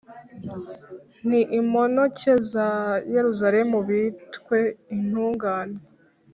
n’imponoke za Yeruzalemu bitwe intungane;